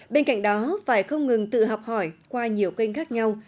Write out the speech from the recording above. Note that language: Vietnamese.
bên cạnh đó phải không ngừng tự học hỏi qua nhiều kênh khác nhau